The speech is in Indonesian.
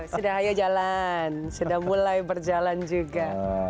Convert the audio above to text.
sudah ayo jalan sudah mulai berjalan juga